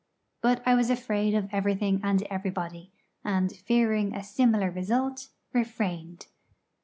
But I was afraid of everything and everybody, and, fearing a similar result, refrained.